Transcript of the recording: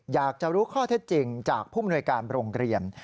อยากจะรู้ข้อเท็จจริงจากผู้มนวยการโรงเรียน